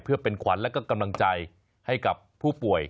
เพื่อเป็นขวัญและก็กำลังใจให้กับผู้ป่วย